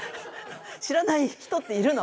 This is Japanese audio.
知らない人っているの？